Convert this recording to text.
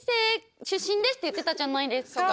って言ってたじゃないですか。